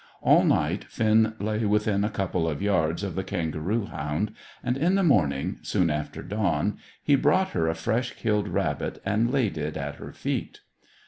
All night Finn lay within a couple of yards of the kangaroo hound; and in the morning, soon after dawn, he brought her a fresh killed rabbit and laid it at her feet.